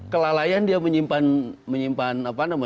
kelalaian dia menyimpan